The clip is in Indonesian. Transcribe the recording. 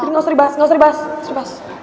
jadi gak usah dibahas gak usah dibahas